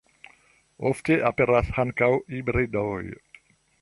Ofte aperas ankaŭ hibridoj.